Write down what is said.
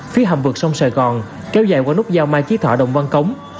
phía hầm vượt sông sài gòn kéo dài qua nút giao mai chí thọ đồng văn cống